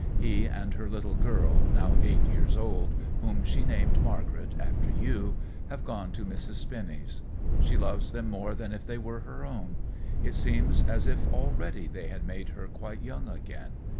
He and her little girl, now eight years old, whom she named Margaret, after you, have gone to Mrs. Spinny's. She loves them more than if they were her own. It seems as if already they had made her quite young again.